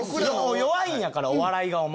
弱いんやからお笑いがお前は。